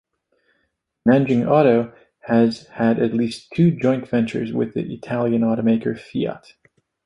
Nanjing Auto has had at least two joint ventures with the Italian automaker Fiat.